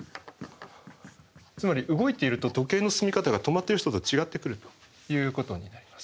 つまり動いていると時計の進み方が止まってる人と違ってくるということになります。